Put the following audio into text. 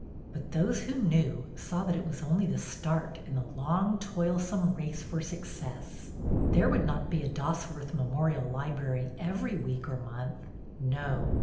But those who knew saw that it was only the start in the long toilsome race for success. There would not be a Dosworth Memorial Library every week or month. No.